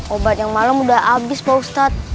obat yang malem udah abis pak ustadz